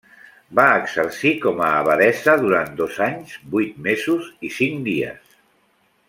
Va exercir com a abadessa durant dos anys, vuit mesos i cinc dies.